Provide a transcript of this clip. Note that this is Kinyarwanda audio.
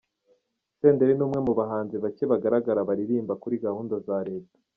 Senderi ni umwe mu bahanzi bacye bagaragara baririmba kuri gahunda za Leta.